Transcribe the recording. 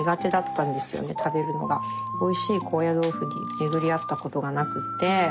おいしい高野豆腐に巡り合ったことがなくて。